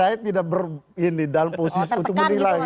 saya tidak ber ini dalam posisi untuk menilai